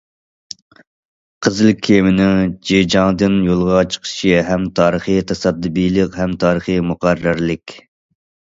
قىزىل كېمىنىڭ جېجياڭدىن يولغا چىقىشى ھەم تارىخىي تاسادىپىيلىق، ھەم تارىخىي مۇقەررەرلىك.